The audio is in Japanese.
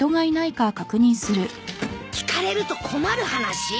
聞かれると困る話？